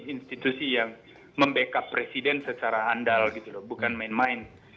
institusi yang membackup presiden secara handal gitu loh bukan main main